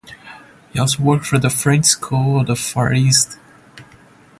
He also worked for the French School of the Far East.